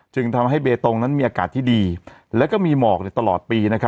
จึงทำให้เบตงนั้นมีอากาศที่ดีแล้วก็มีหมอกตลอดปี